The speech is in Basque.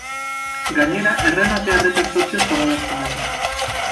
Gainera, erremate errepertorio zabala zuen.